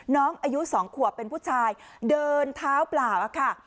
น้องอายุ๒ขวบเป็นผู้ชายเดินเท้าเปล่าค่ะ